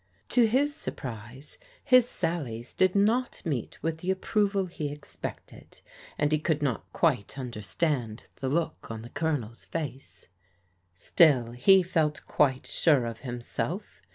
To his surprise his sallies did not meet with the approval he expected and he could not THE SUPPER PARTY 73 quite tmderstand the look on the Colonel's face. Still he felt quite sure of himself.